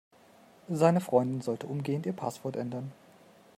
Seine Freundin sollte umgehend ihr Passwort ändern.